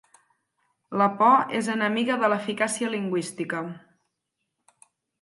La por és enemiga de l'eficàcia lingüística.